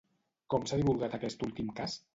Com s'ha divulgat aquest últim cas?